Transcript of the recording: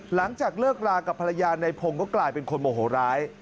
หลังจากเลิกรากับภรรยาในพงศ์ก็กลายเป็นคนโมโหร้าย